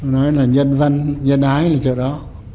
nói là nhân văn nhân ái là chỗ đó